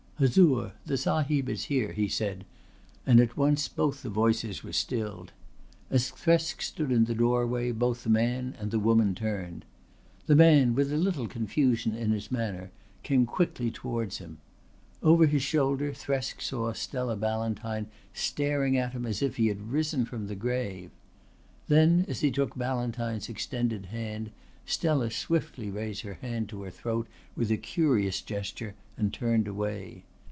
"Huzoor, the Sahib is here," he said, and at once both the voices were stilled. As Thresk stood in the doorway both the man and the woman turned. The man, with a little confusion in his manner, came quickly towards him. Over his shoulder Thresk saw Stella Ballantyne staring at him, as if he had risen from the grave. Then, as he took Ballantyne's extended hand, Stella swiftly raised her hand to her throat with a curious gesture and turned away.